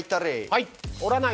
はい。